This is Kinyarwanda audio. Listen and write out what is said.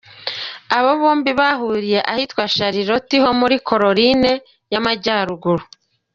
Aba bombi bahuriye ahitwa Charlotte ho muri Caroline y’amajyaruguru.